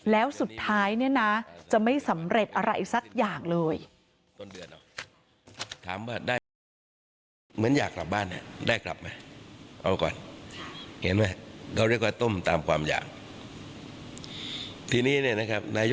แล้วสุดท้ายเนี่ยนะจะไม่สำเร็จอะไรสักอย่างเลย